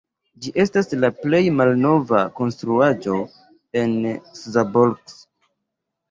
Ĝi estas la plej malnova konstruaĵo en Szabolcs.